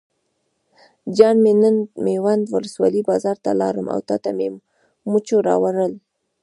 جان مې نن میوند ولسوالۍ بازار ته لاړم او تاته مې مچو راوړل.